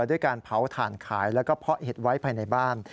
ด้วยการเผาถ่านขายแล้วก็เพาะเห็ดไว้ภายในบ้าน